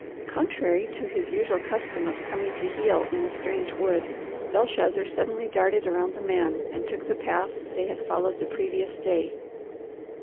Contrary to his usual custom of coming to heel in a strange wood, Belshazzar suddenly darted around the man and took the path they had followed the previous day.